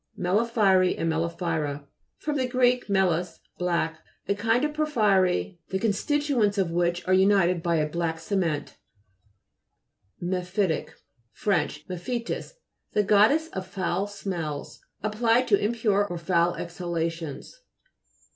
MELA'PHYRY, and MELA'PHYRE fr. gr. melas, black. A kind of por phyry the constituents of which are united by a black cement (p. 173). MEPHIT'IC fr. mephitis, the goddess of foul smells. Applied to impure or foul exhalations.